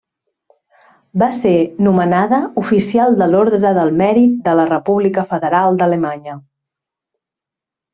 Va ser nomenada oficial de l'Ordre del Mèrit de la República Federal d'Alemanya.